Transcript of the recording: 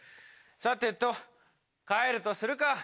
さてと帰るとするか。